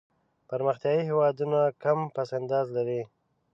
پرمختیایي هېوادونه کم پس انداز لري.